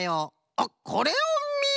あっこれをみよ！